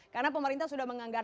karena pemerintah sudah menganggapnya